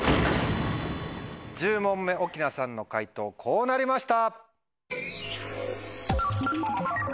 １０問目奥菜さんの解答こうなりました！